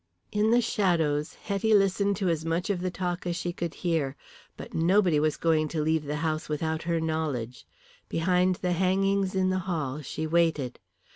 In the shadows Hetty listened to as much of the talk as she could hear. But nobody was going to leave the house without her knowledge. Behind the hangings in the hall she waited.